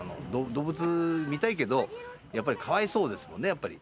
動物見たいけど、やっぱりかわいそうですもんね、やっぱり。